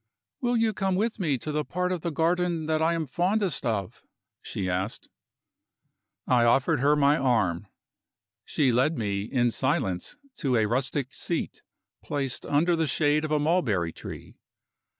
"Will you come with me to the part of the garden that I am fondest of?" she asked. I offered her my arm. She led me in silence to a rustic seat, placed under the shade of a mulberry tree.